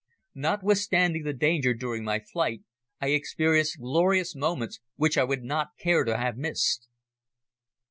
Notwithstanding the danger during my flight, I experienced glorious moments which I would not care to have missed.